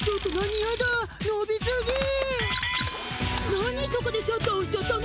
何そこでシャッターおしちゃったの？